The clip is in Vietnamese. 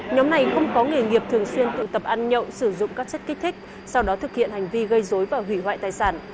nhóm này không có nghề nghiệp thường xuyên tụ tập ăn nhậu sử dụng các chất kích thích sau đó thực hiện hành vi gây dối và hủy hoại tài sản